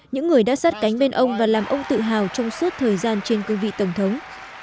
những người đã sát cánh bên ông và làm ông tự hào trong suốt thời gian trên cương vị tổng thống